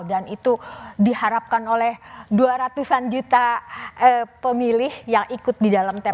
dan itu diharapkan oleh dua ratus an juta pemilih yang ikut di dalam tps kemarin